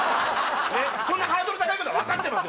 そんなハードル高いことは分かってますよ